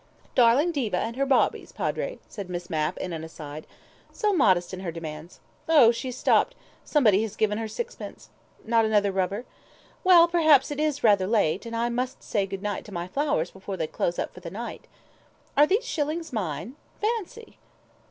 "Darling Diva and her bawbees, Padre," said Miss Mapp in an aside. "So modest in her demands. Oh, she's stopped! Somebody has given her sixpence. Not another rubber? Well, perhaps it is rather late, and I must say good night to my flowers before they close up for the night. All those shillings mine? Fancy!"